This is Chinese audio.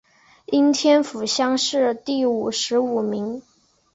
应天府乡试第五十五名。